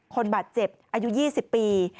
คนบาดเจ็บอายุ๒๐ปี